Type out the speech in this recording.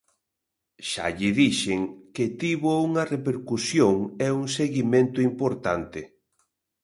Xa lle dixen que tivo unha repercusión e un seguimento importante.